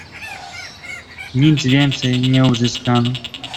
"Nic więcej nie uzyskano."